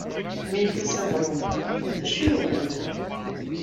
Mi n-tusa ɣur-wen, d acu i awen-tenna?